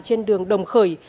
trên đường đồng khởi